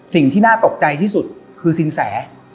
สิ่งที่น่าตกใจที่สุดคือสินแส